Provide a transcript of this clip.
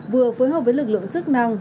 vừa phối hợp với lực lượng chức năng